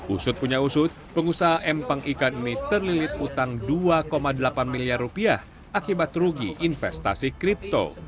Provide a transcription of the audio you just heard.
usut punya usut pengusaha empang ikan ini terlilit utang dua delapan miliar rupiah akibat rugi investasi kripto